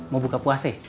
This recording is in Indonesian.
mau buka puas ya